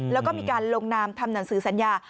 แล้วก็มีการลงนามทำหนังสือสัญญา